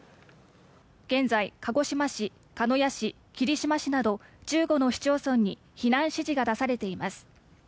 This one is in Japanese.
現在、鹿児島市、鹿屋市、霧島市など１５の市町村に避難指示が出されています。